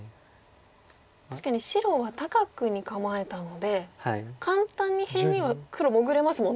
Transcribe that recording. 確かに白は高くに構えたので簡単に辺には黒潜れますもんね。